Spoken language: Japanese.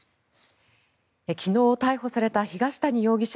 昨日、逮捕された東谷容疑者